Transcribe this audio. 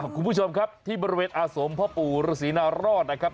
คุณผู้ชมครับที่บริเวณอาสมพ่อปู่ฤษีนารอดนะครับ